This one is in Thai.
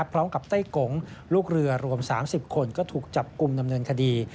ไต้กงลูกเรือรวม๓๐คนก็ถูกจับกลุ่มดำเนินคดี